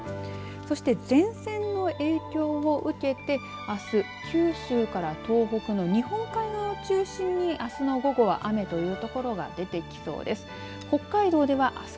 そして前線の影響を受けてあす九州から東北の日本海側を中心にあすの午後は雨という所が出てきそうです。